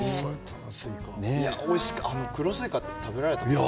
黒スイカって食べられたことは？